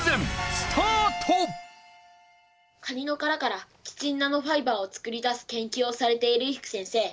カニの殻からキチンナノファイバーを作り出す研究をされている伊福先生